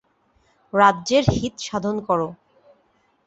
রাজ্যের হিতসাধন করো।